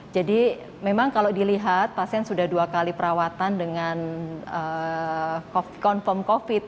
jadi memang kalau dilihat pasien sudah dua kali perawatan dengan confirm covid